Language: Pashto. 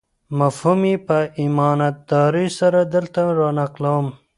مفهوم یې په امانتدارۍ سره دلته رانقلوم.